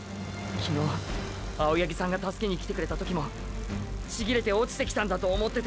昨日青八木さんが助けに来てくれた時も千切れて落ちてきたんだと思ってて。